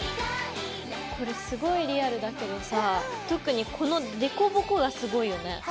これすごいリアルだけどさ特にこの凹凸がすごいよね。